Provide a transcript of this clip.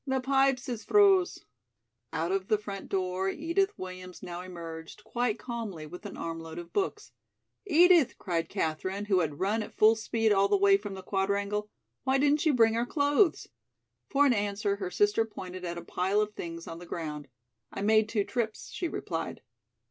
The pipes is froze." Out of the front door Edith Williams now emerged, quite calmly, with an armload of books. "Edith," cried Katherine, who had run at full speed all the way from the Quadrangle, "why didn't you bring our clothes?" For an answer her sister pointed at a pile of things on the ground. "I made two trips," she replied.